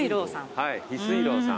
はい翡翠楼さん。